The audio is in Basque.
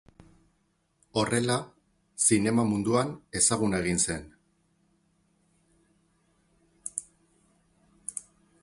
Horrela, zinema munduan ezaguna egin zen.